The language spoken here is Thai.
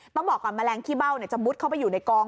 ต้องบอกก่อนแมลงขี้เบ้าจะมุดเข้าไปอยู่ในกอง